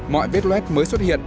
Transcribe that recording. mọi vết loét mới xuất hiện